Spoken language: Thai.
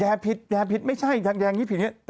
แย่ผิดแย่ผิดไม่ใช่